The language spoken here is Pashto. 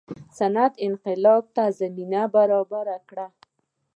صنعتي انقلاب ته زمینه برابره کړي.